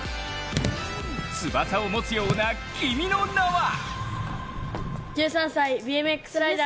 翼を持つような君の名は？